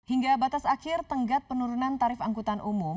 hingga batas akhir tenggat penurunan tarif angkutan umum